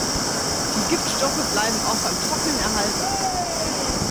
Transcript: Die Giftstoffe bleiben auch beim Trocknen erhalten.